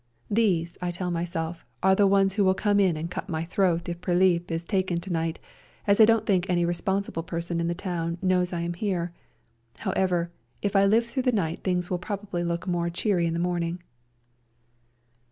These, I tell myself, are the ones who will come in and cut my throat if Prilip is taken to night, as I don't think any responsible person in the town knows I am here. However, if I live through the night things will probably look more cheery in the morning."